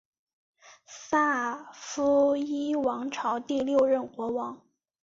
萨伏伊王朝第六任国王。